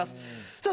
さあ